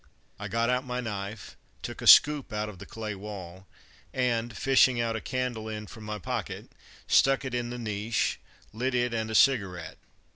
I got out my knife, took a scoop out of the clay wall, and fishing out a candle end from my pocket, stuck it in the niche, lit it and a cigarette.